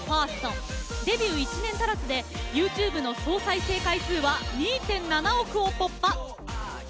デビュー１年足らずでＹｏｕＴｕｂｅの総再生回数は２．７億を突破。